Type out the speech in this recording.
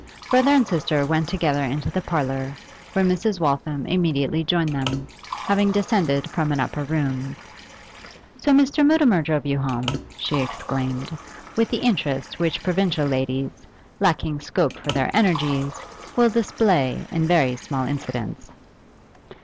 Brother and sister went together into the parlour, where Mrs. Waltham immediately joined them, having descended from an upper room. 'So Mr. Mutimer drove you home!' she exclaimed, with the interest which provincial ladies, lacking scope for their energies, will display in very small incidents.